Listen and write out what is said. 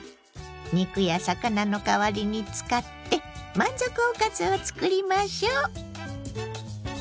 肉や魚の代わりに使って満足おかずをつくりましょ。